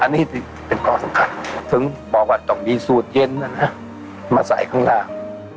อันนี้เป็นข้อสำคัญถึงบอกว่าต้องมีสูตรเย็นมาใส่ข้างล่าง